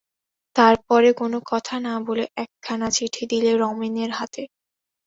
তার পরে কোনো কথা না বলে একখানা চিঠি দিলে রমেনের হাতে।